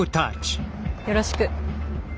よろしく。